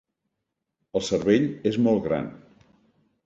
El cervell és molt gran.